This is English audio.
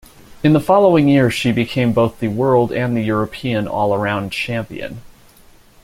In the following year she became both the World and the European All-Around champion.